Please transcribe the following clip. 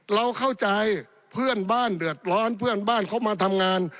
เราเข้าใจเพื่อนบ้านเดือดร้อนเพื่อนบ้านเขามาทำงาน